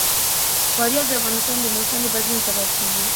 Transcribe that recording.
فاریاب د افغانستان د موسم د بدلون سبب کېږي.